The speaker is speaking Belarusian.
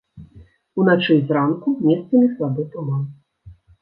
Уначы і зранку месцамі слабы туман.